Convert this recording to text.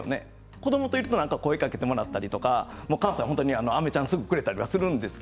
子どもといると声をかけてもらったりとか関西は、あめちゃんをすぐくれたりします。